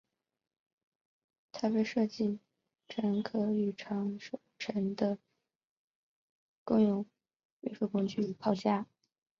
它被设计成可与长射程的共用运输工具与炮架。